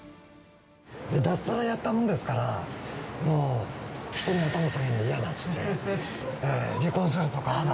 脱サラやったもんですから、もう人に頭下げるの嫌だって言って、離婚するとかなんだ